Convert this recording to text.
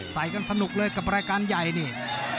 ใส่กันสนุกเลยกับรายการใหญ่นี่